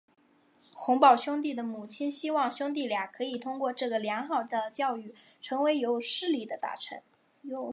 洪堡兄弟的母亲希望兄弟俩可以通过这个良好的教育成为有势力的大臣。